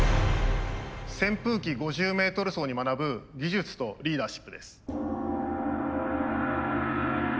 「扇風機５０Ｍ走」に学ぶ技術とリーダーシップです。